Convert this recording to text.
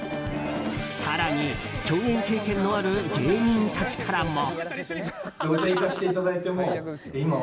更に、共演経験のある芸人たちからも。